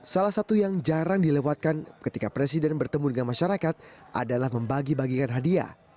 salah satu yang jarang dilewatkan ketika presiden bertemu dengan masyarakat adalah membagi bagikan hadiah